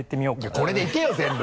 いやこれでいけよ全部。